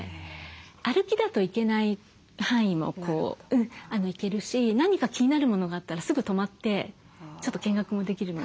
歩きだと行けない範囲も行けるし何か気になるものがあったらすぐ止まってちょっと見学もできるので。